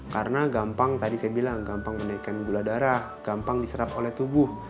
karena gampang tadi saya bilang gampang menaikkan gula darah gampang diserap oleh tubuh